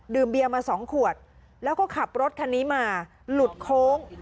เบียร์มาสองขวดแล้วก็ขับรถคันนี้มาหลุดโค้ง